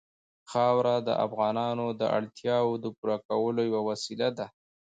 خاوره د افغانانو د اړتیاوو د پوره کولو یوه وسیله ده.